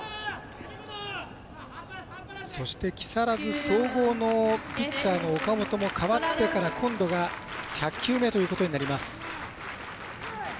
そして、木更津総合のピッチャーの岡本も代わってから今度が１００球目ということになります。